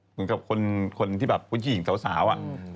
เหมือนกับคนที่แบบผู้หญิงสาวอะ